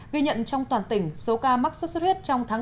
ghi nhận trong toàn tỉnh số ca mắc sốt xuất huyết trong tháng bốn